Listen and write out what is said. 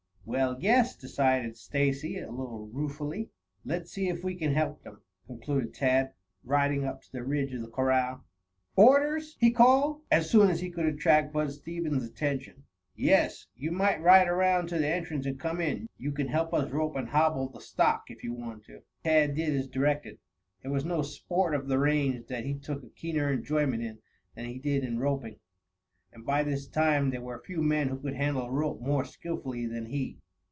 "Well, yes," decided Stacy a little ruefully. "Let's see if we can help them," concluded Tad, riding up to the edge of the corral. "Orders?" he called, as soon as he could attract Bud Stevens' attention. "Yes; you might ride around to the entrance and come in. You can help us rope and hobble the stock if you want to." Tad did as directed. There was no sport of the range that he took a keener enjoyment in than he did in roping, and by this time there were few men who could handle a rope more skillfully than he.